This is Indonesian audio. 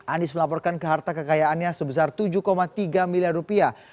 anies melaporkan ke harta kekayaannya sebesar tujuh tiga miliar rupiah